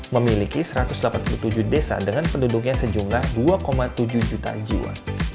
memiliki satu ratus delapan puluh tujuh desa dengan penduduknya sejumlah dua tujuh juta jiwa